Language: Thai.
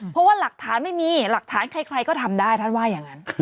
เพราะว่าหลักฐานไม่มีหลักฐานใครก็ทำได้ท่านว่าอย่างนั้น